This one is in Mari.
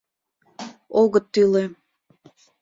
Огыт тӱлӧ...